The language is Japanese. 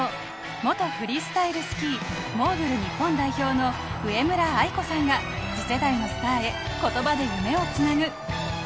元フリースタイルスキー・モーグル日本代表の上村愛子さんが次世代のスターへ言葉で夢をつなぐ。